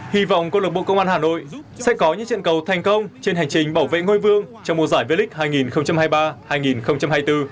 hi vọng quân lực bộ công an hà nội sẽ có những trận cầu thành công trên hành trình bảo vệ ngôi vương trong mùa giải vy lịch hai nghìn hai mươi ba hai nghìn hai mươi bốn